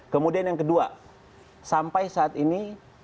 kemudian yang kedua sampai saat ini